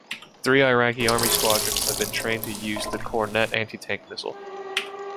Three Iraqi Army squadrons have been trained to use the Kornet anti-tank missile.